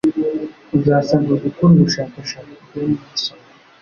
Uzasabwa gukora ubushakashatsi ujya mu isomero,